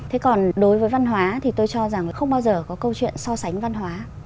thế còn đối với văn hóa thì tôi cho rằng là không bao giờ có câu chuyện so sánh văn hóa